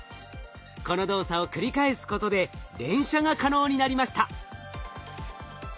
この動作を繰り返すことで連射が可能になりました。